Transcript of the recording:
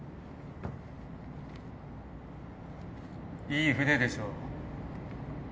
いい船でしょ？